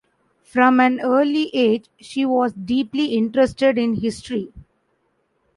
From an early age, she was deeply interested in history.